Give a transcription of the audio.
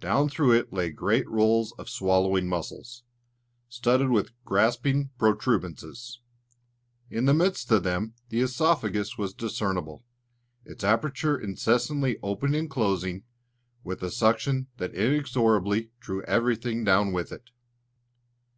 Down through it lay great rolls of swallowing muscles, studded with grasping protuberances. In the midst of them the œsophagus was discernible, its aperture incessantly opening and closing with a suction that inexorably drew everything down with it.